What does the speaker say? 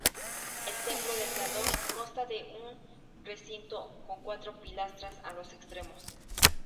El templo de Tláloc consta de un recinto con cuatro pilastras en los extremos.